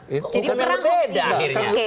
jadi menyerang hoax ini